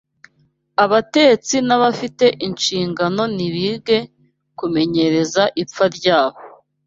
Abatetsi n’abafite inshingano nibige kumenyereza ipfa ryabo